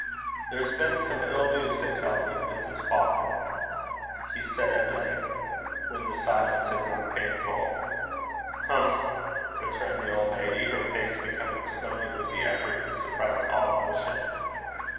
'There's been some ill news, they tell me, Mrs. Faukner,' he said at length, when the silence had grown painful. 'Humph!' returned the old lady, her face becoming stony with the effort to suppress all emotion.